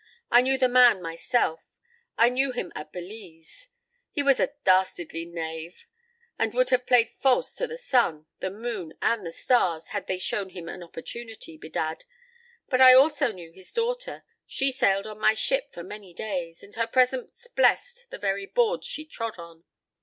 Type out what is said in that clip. I knew the man myself; I knew him at Belize. He was a dastardly knave, and would have played false to the sun, the moon, and the stars had they shown him an opportunity, bedad. But I also knew his daughter; she sailed on my ship for many days, and her presence blessed the very boards she trod on.